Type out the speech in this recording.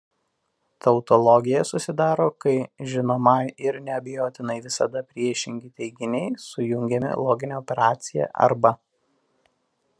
Tautologija susidaro kai žinomai ir neabejotinai visada priešingi teiginiai sujungiami logine operacija "arba".